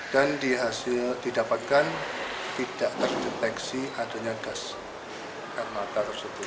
dan dihasil didapatkan tidak terdeteksi adanya dasar mata tersebut